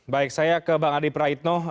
baik saya ke bang arief rayetno